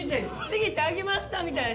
ちぎってあげましたみたいな。